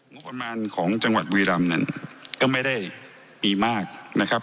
งบประมาณของจังหวัดบุรีรำนั้นก็ไม่ได้มีมากนะครับ